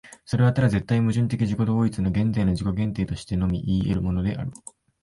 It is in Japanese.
それはただ絶対矛盾的自己同一の現在の自己限定としてのみいい得るのである。